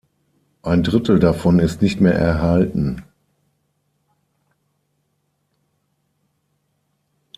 Ein Drittel davon ist nicht mehr erhalten.